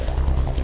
tunggu sekejap ya